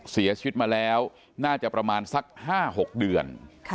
เสียชีวิตมาแล้วน่าจะประมาณสัก๕๖เดือน